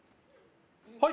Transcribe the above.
「はい」